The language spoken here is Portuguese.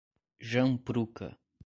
Jampruca